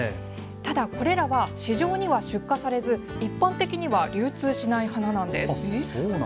これらは市場には出荷されず一般的には流通しない花なんです。